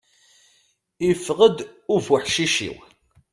Iffeɣ-d ubuḥcic-iw.